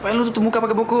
apain lo tutup muka pake buku